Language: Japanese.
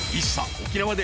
沖縄で］